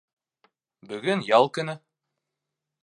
Бөгөн ял көнө.